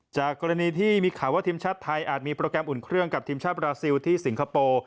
จากกรณีที่มีข่าวว่าทีมชาติไทยอาจมีโปรแกรมอุ่นเครื่องกับทีมชาติบราซิลที่สิงคโปร์